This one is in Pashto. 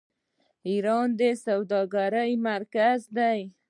ایران د سوداګرۍ مرکز دی.